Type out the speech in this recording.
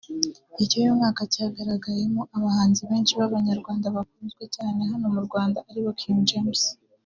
Icy’uyu mwaka cyagaragayemo abahanzi benshi b’Abanyarwanda bakunzwe cyane hano mu Rwanda aribo King James